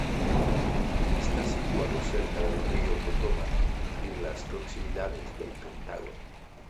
Está situado cerca del Río Potomac, en las proximidades del Pentágono.